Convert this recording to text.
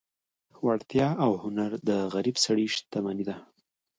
وړتیا او هنر د غریب سړي شتمني ده.